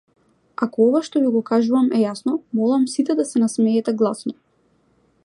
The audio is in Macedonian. Ако ова што ви го кажувам е јасно молам сите да се насмеете гласно.